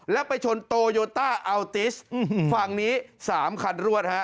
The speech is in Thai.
แล้วไปชนโตโยต้าอัลติสฝั่งนี้๓คันรวดฮะ